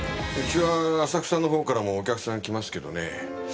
うちは浅草のほうからもお客さん来ますけどね。